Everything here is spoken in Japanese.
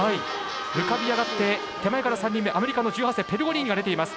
浮かび上がって手前から３人目アメリカの１８歳ペルゴリーニが出ています。